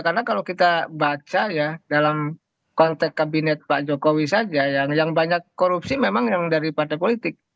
karena kalau kita baca ya dalam konteks kabinet pak jokowi saja yang banyak korupsi memang yang dari partai politik